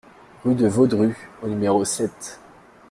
Rue de Vaudru au numéro sept